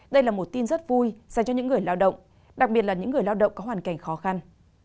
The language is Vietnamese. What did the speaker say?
đây là một tin rất vui dành cho những người lao động đặc biệt là những người lao động có hoàn cảnh khó khăn